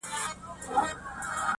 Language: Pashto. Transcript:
حقيقت ورو ورو ورکيږي دلته,